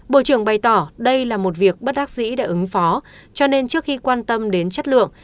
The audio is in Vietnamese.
bộ trưởng bày tỏ đây là một việc bất đắc dĩ đã ứng phó cho nên trước khi quan tâm đến chất lượng